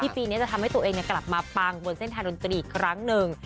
ปีนี้จะทำให้ตัวเองกลับมาปังบนเส้นทางดนตรีอีกครั้งหนึ่ง